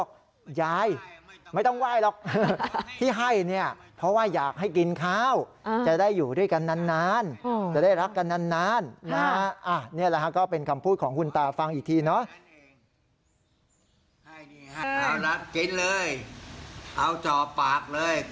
กระดกกระดกกระดกกระดกตูดกระดกตูดอย่างนี้เว้ย